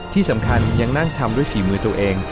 ที่สำคัญยังนั่งทำด้วยฝีมือตัวเอง